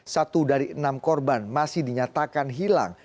satu dari enam korban masih dinyatakan hilang